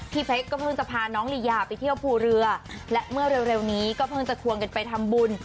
เพชรก็เพิ่งจะพาน้องลียาไปเที่ยวภูเรือและเมื่อเร็วนี้ก็เพิ่งจะควงกันไปทำบุญ